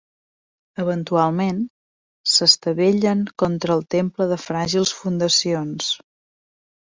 Eventualment s'estavellen contra el Temple de Fràgils Fundacions.